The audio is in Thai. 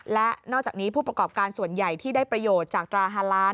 และนอกจากนี้ผู้ประกอบการส่วนใหญ่ที่ได้ประโยชน์จากตรา๕ล้าน